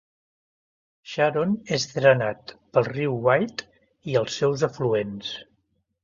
Sharon és drenat pel riu White i els seus afluents.